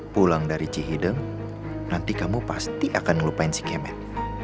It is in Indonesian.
pulang dari cihideng nanti kamu pasti akan melupain si kemen